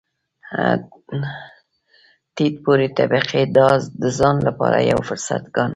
ټیټ پوړې طبقې دا د ځان لپاره یو فرصت ګاڼه.